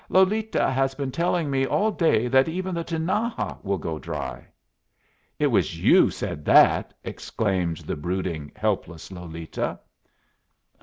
"Lolita has been telling me all to day that even the Tinaja will go dry." "It was you said that!" exclaimed the brooding, helpless Lolita.